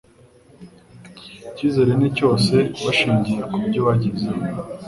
Ikizere ni cyose bashingiye ku byo bagezeho